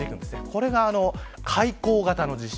これが海溝型の地震。